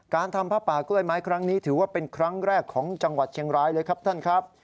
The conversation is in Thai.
ทำผ้าป่ากล้วยไม้ครั้งนี้ถือว่าเป็นครั้งแรกของจังหวัดเชียงรายเลยครับท่านครับ